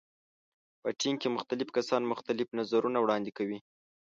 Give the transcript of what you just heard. په ټیم کې مختلف کسان مختلف نظرونه وړاندې کوي.